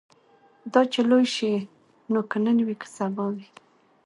دا چي لوی سي نو که نن وي که سبا وي